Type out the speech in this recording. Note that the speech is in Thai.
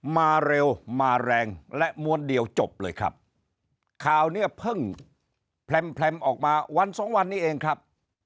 สวัสดีครับท่านผู้ชมครับ